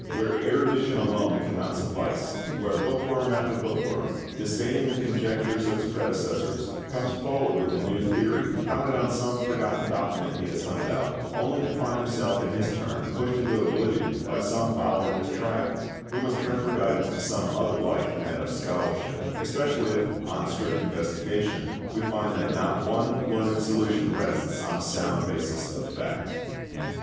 Where erudition alone cannot suffice; where bookworm after bookworm, disdaining the conjectures of his predecessors, comes forward with a new theory founded on some forgotten document he has hunted out, only to find himself in his turn pushed into oblivion by some follower in his track, we must turn for guidance to some other light than that of scholarship; especially if, on strict investigation, we find that not one learned solution rests on a sound basis of fact.